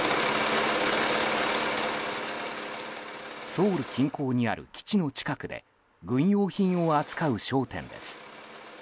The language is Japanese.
ソウル近郊にある基地の近くで軍用品を扱う商店です。